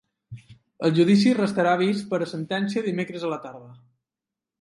El judici restarà vist per a sentència dimecres a la tarda.